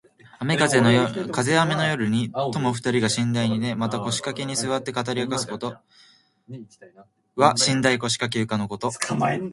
風雨の夜に友二人が寝台に寝、またはこしかけにすわって語りあかすこと。「牀」は寝台・こしかけ・ゆかのこと。